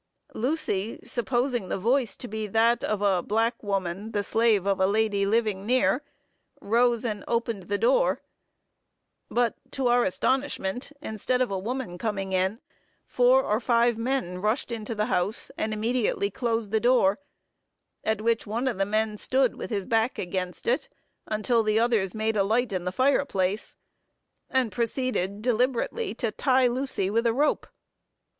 Lucy, supposing the voice to be that of a black woman, the slave of a lady living near, rose and opened the door; but, to our astonishment, instead of a woman coming in, four or five men rushed into the house and immediately closed the door; at which one of the men stood, with his back against it, until the others made a light in the fire place, and proceeded deliberately to tie Lucy with a rope.